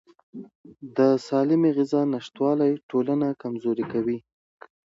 د سالمې غذا نشتوالی ټولنه کمزوري کوي.